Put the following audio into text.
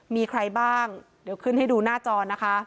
มีใครบ้างเดี๋ยวขึ้นให้ดูหน้าจอนะคะ